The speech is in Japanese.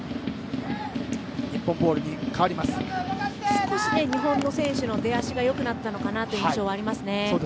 少し日本の選手の出足が良くなったという印象はありますね。